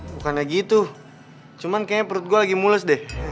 bukannya gitu cuman kayaknya perut gue lagi mulus deh